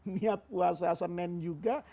niat puasa senin juga